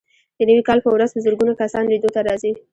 د نوي کال په ورځ په زرګونه کسان لیدو ته راځي.